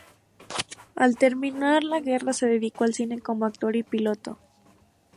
Al terminar la guerra, se dedicó al cine como actor y piloto.